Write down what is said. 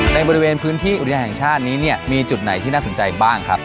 ในบริเวณพื้นที่อุทยานแห่งชาตินี้เนี่ยมีจุดไหนที่น่าสนใจบ้างครับ